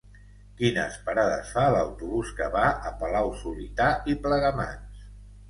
Quines parades fa l'autobús que va a Palau-solità i Plegamans?